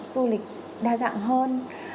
du lịch đa dạng hơn